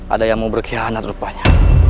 ada yang mau berkhianat rupanya